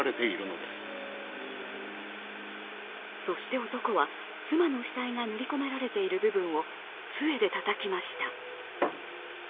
そして男は妻の死体が塗り込められている部分をつえでたたきました。